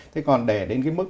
thế còn để đến cái mức